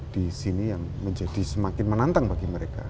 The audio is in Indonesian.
di sini yang menjadi semakin menantang bagi mereka